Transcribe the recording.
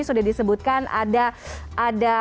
sudah disebutkan ada